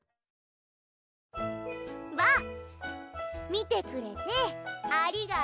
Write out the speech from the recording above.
見てくれてありがとう。